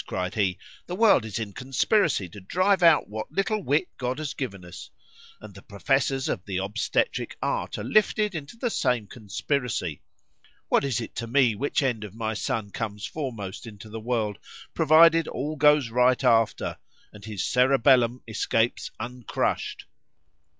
cried he, the world is in conspiracy to drive out what little wit God has given us,——and the professors of the obstetric art are listed into the same conspiracy.—What is it to me which end of my son comes foremost into the world, provided all goes right after, and his cerebellum escapes uncrushed?